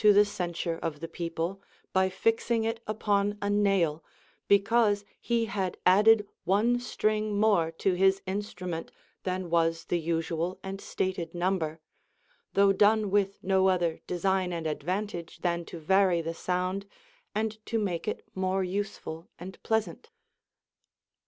92 THE ACCOUNT OF THE LAWS AND sure of the people, by fixing it upon a nail, because he had added one string more to his instrument than was the usual and stated number, though done with no other design and advantage than to vary the sound, and to make it more useful and pleasant.